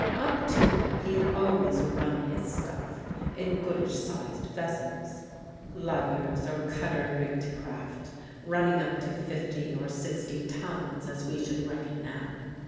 Up to now he had always run his stuff in goodish sized vessels luggers or cutter rigged craft running up to fifty or sixty tons as we should reckon now.